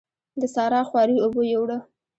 د سارا خواري اوبو يوړه.